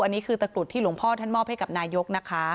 อันนี้คือตะกรุดที่หลวงพ่อท่านมอบให้กับนายกนะคะ